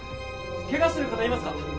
ケガしてる方いますか？